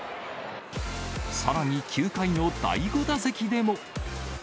さらに、９回の第５打席でも。